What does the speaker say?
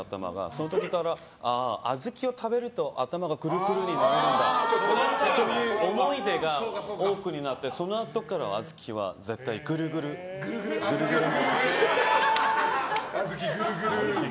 その時からああ、小豆を食べると頭がぐるぐるになるんだっていう思い出が多くなってそのあとからは小豆は絶対小豆ぐるぐる。